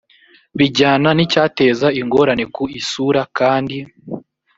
bijyana n icyateza ingorane ku isura kandi